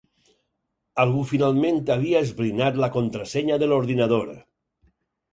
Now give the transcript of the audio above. Algú finalment havia esbrinat la contrasenya de l'ordinador.